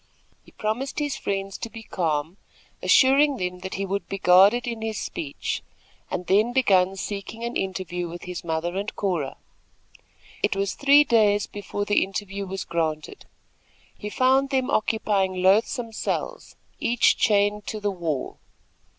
He promised his friends to be calm, assuring them he would be guarded in his speech, and then begun seeking an interview with his mother and Cora. It was three days before the interview was granted. He found them occupying loathsome cells, each chained to the wall.